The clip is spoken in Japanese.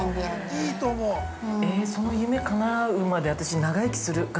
◆その夢かなうまで、私、長生きする。